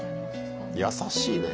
優しいね。